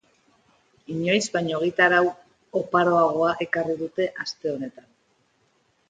Inoiz baino egitarau oparoagoa ekarri dute aste honetan.